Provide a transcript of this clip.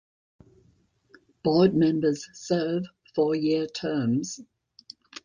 The board members serve four-year terms.